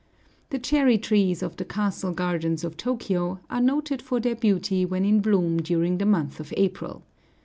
The cherry trees of the castle gardens of Tōkyō are noted for their beauty when in bloom during the month of April.